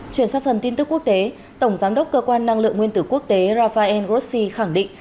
chuyển sang phần tin tức quốc tế tổng giám đốc cơ quan năng lượng nguyên tử quốc tế rafael grossi khẳng định